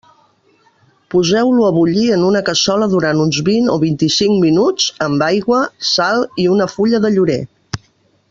Poseu-lo a bullir en una cassola durant uns vint o vint-i-cinc minuts, amb aigua, sal i una fulla de llorer.